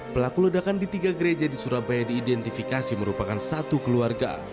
pelaku ledakan di tiga gereja di surabaya diidentifikasi merupakan satu keluarga